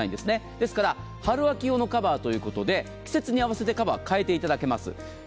ですから春秋用のカバーということで季節に合わせて替えていただけます。